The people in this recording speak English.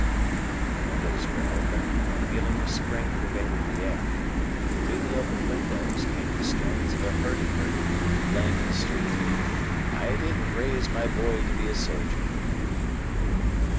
The windows were open and a feeling of spring pervaded the air. Through the open windows came the strains of a hurdy gurdy playing in the street I DIDN'T RAISE MY BOY TO BE A SOLDIER.